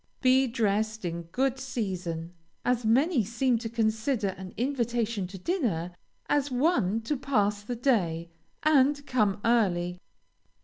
Be dressed in good season, as many seem to consider an invitation to dinner as one to pass the day, and come early.